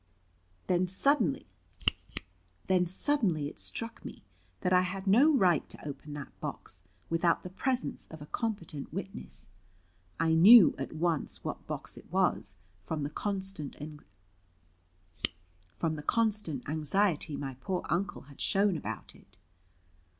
Then suddenly it struck me that I had no right to open that box, without the presence of a competent witness. I knew at once what box it was, from the constant anxiety my poor Uncle had shown about it.